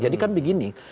jadi kan begini